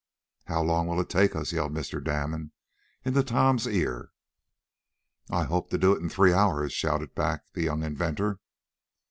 "How long will it take us?" yelled Mr. Damon into Tom's ear. "I hope to do it in three hours," shouted back the young inventor.